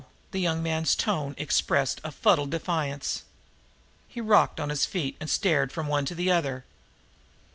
The young man's tones expressed a fuddled defiance. He rocked on his feet and stared from one to the other.